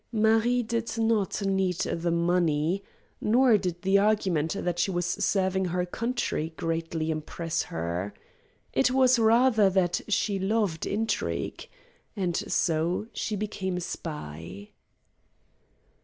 Marie did not need the money. Nor did the argument that she was serving her country greatly impress her. It was rather that she loved intrigue. And so she became a spy.